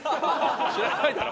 知らないだろ？